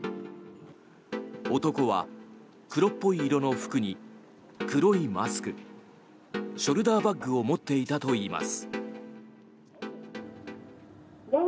男は黒っぽい色の服に黒いマスクショルダーバッグを持っていたといいます。